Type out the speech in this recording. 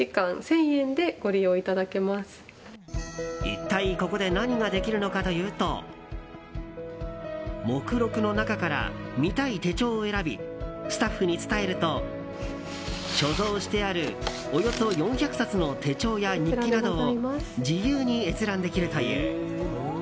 一体ここで何ができるのかというと目録の中から見たい手帳を選びスタッフに伝えると所蔵してある、およそ４００冊の手帳や日記などを自由に閲覧できるという。